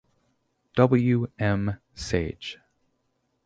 W. M. Sage.